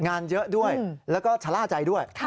งานเยอะด้วยแล้วก็ชะล่าใจด้วย